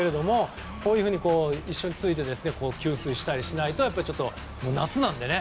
こういうふうに一緒について給水したりしないと夏なのでね